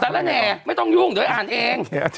ละแหน่ไม่ต้องยุ่งเดี๋ยวอ่านเอง